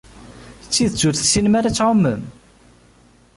D tidet ur tessinem ara ad tɛumem?